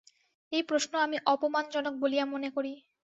এই প্রশ্ন আমি অপমানজনক বলিয়া মনে করি।